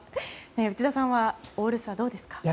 内田さんはオールスターどうですか？